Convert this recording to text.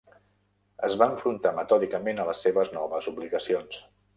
Es va enfrontar metòdicament a les seves noves obligacions.